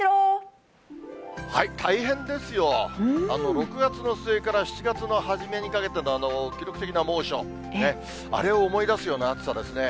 大変ですよ。６月の末から７月の初めにかけての、記録的な猛暑、あれを思い出すような暑さですね。